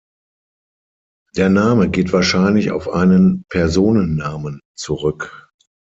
Der Name geht wahrscheinlich auf einen Personennamen zurück.